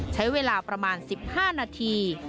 ใช้เวลาประมาณ๑๕นาที